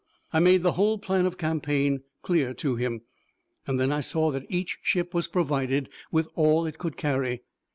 I made the whole plan of campaign clear to him. Then I saw that each ship was provided with all it could carry.